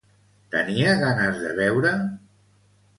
Tenia ganes de beure?